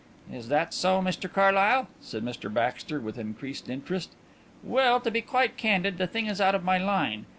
"Is that so, Mr Carlyle?" said Mr Baxter, with increased interest. "Well, to be quite candid, the thing is out of my line.